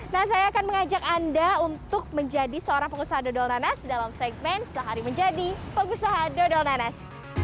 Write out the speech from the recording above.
nah saya akan mengajak anda untuk menjadi seorang pengusaha dodol nanas dalam segmen sehari menjadi pengusaha dodol nanas